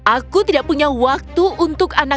aku tidak punya waktu untuk anak manja